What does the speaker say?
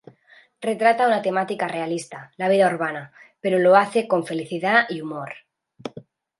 Retrata una temática realista, la vida urbana, pero lo hace con felicidad y humor.